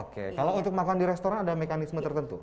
kalau untuk makan di restoran ada mekanisme tertentu